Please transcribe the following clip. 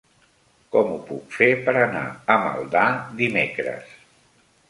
Com ho puc fer per anar a Maldà dimecres?